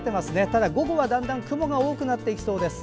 ただ午後はだんだん雲が多くなっていきそうです。